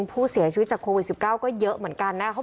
ผู้เสียชีวิตของโควิด๑๙ก็เยอะเหมือนกัน